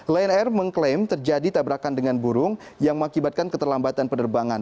lion air mengklaim terjadi tabrakan dengan burung yang mengakibatkan keterlambatan penerbangan